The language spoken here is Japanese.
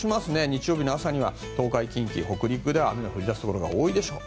日曜日の朝には東海・近畿、北陸では雨が降り出すところが多いでしょう。